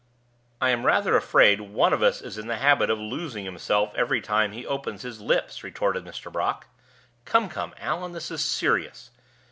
"I am rather afraid one of us is in the habit of losing himself every time he opens his lips," retorted Mr. Brock. "Come, come, Allan, this is serious.